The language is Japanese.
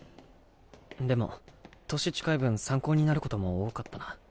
でも年近い分参考になることも多かったな。